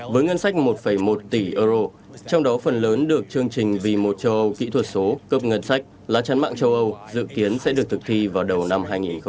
với ngân sách một một tỷ euro trong đó phần lớn được chương trình vì một châu âu kỹ thuật số cấp ngân sách lá chắn mạng châu âu dự kiến sẽ được thực thi vào đầu năm hai nghìn hai mươi